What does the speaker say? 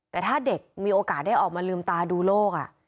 แต่ถ้าเด็กมีโอกาสได้ออกมาลืมตาดูโลก